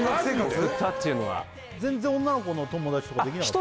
全然女の子の友達とかできなかったの？